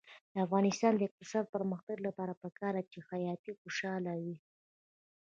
د افغانستان د اقتصادي پرمختګ لپاره پکار ده چې خیاط خوشحاله وي.